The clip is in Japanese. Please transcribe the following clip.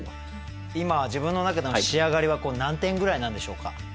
今自分の中での仕上がりはこう何点ぐらいなんでしょうか？